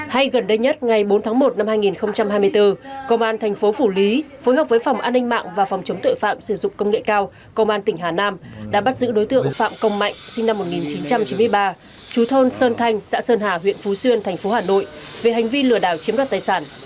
hay gần đây nhất ngày bốn tháng một năm hai nghìn hai mươi bốn công an thành phố phủ lý phối hợp với phòng an ninh mạng và phòng chống tội phạm sử dụng công nghệ cao công an tỉnh hà nam đã bắt giữ đối tượng phạm công mạnh sinh năm một nghìn chín trăm chín mươi ba chú thôn sơn thanh xã sơn hà huyện phú xuyên thành phố hà nội về hành vi lừa đảo chiếm đoạt tài sản